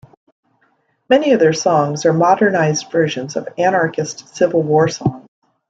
Many of their songs are modernized versions of anarchist civil war songs.